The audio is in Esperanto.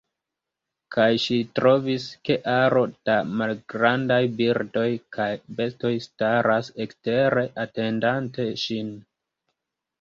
Kaj ŝi trovis, ke aro da malgrandaj birdoj kaj bestoj staras ekstere atendante ŝin.